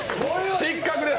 失格です。